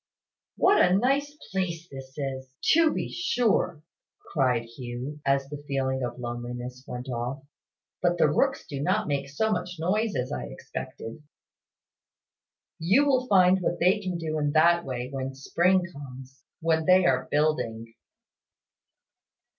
"What a nice place this is, to be sure!" cried Hugh, as the feeling of loneliness went off. "But the rooks do not make so much noise as I expected." "You will find what they can do in that way when spring comes, when they are building."